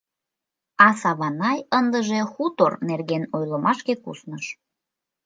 А Саванай ындыже хутор нерген ойлымашке кусныш.